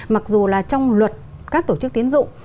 mặc dù trong luật các tổ chức tiến dụng